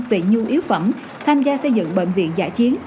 về nhu yếu phẩm tham gia xây dựng bệnh viện giả chiến